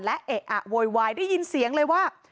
และเอะอะโวยวายได้ยินเสียงเลยว่า